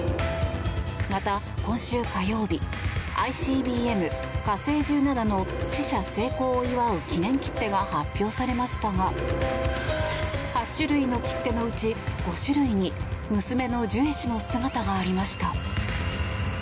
また、今週火曜日ＩＣＢＭ、火星１７の試射成功を祝う記念切手が発表されましたが８種類の切手のうち５種類に娘のジュエ氏の姿がありました。